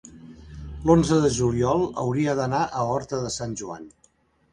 l'onze de juliol hauria d'anar a Horta de Sant Joan.